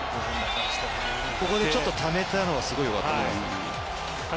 ここでちょっとためたのがすごい良かった。